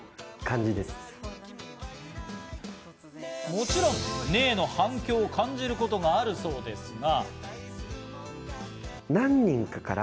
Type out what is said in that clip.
もちろん『ねぇ』の反響を感じることもあるそうですが。